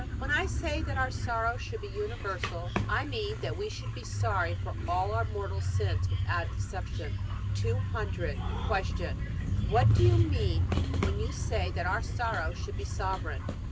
When I say that our sorrow should be universal, I mean that we should be sorry for all our mortal sins without exception. 200. Q. What do you mean when you say that our sorrow should be sovereign?